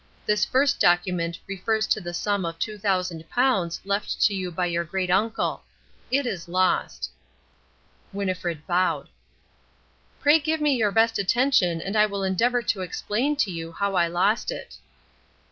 This first document refers to the sum of two thousand pounds left to you by your great uncle. It is lost." Winnifred bowed. "Pray give me your best attention and I will endeavour to explain to you how I lost it."